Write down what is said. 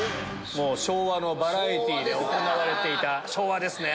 昭和のバラエティーで行われていた昭和ですね！